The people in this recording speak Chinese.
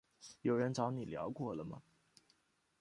有人找你聊过了吗？